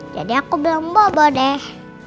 jadi aku bilang bobo deh